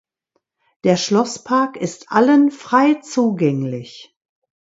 Der Schlosspark ist allen frei zugänglich.